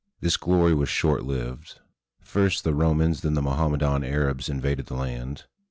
This glory was short lived. First, the Romans, then the Mohammedan Arabs invaded the land.